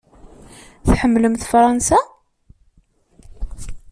Tḥemmlemt Fṛansa?